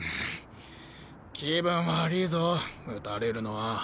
気分悪ぃぞ打たれるのは。